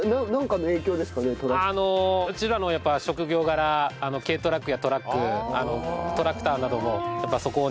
うちらのやっぱ職業柄軽トラックやトラックトラクターなどもやっぱそこをね